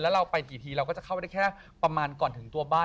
แล้วเราไปกี่ทีเราก็จะเข้าไปได้แค่ประมาณก่อนถึงตัวบ้าน